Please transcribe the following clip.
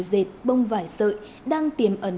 dệt bông vải sợi đang tiềm ẩn